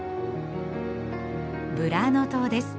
ブラーノ島です。